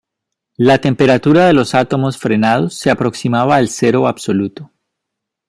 La temperatura de los átomos frenados se aproximaba al cero absoluto.